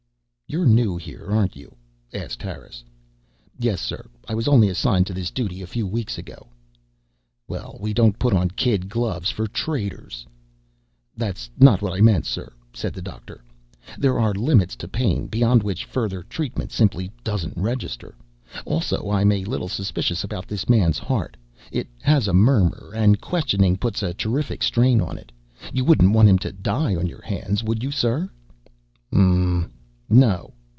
"You're new here, aren't you?" asked Harris. "Yes, sir. I was only assigned to this duty a few weeks ago." "Well, we don't put on kid gloves for traitors." "That's not what I mean, sir," said the doctor. "There are limits to pain beyond which further treatment simply doesn't register. Also, I'm a little suspicious about this man's heart. It has a murmur, and questioning puts a terrific strain on it. You wouldn't want him to die on your hands, would you, sir?" "Mmmm no.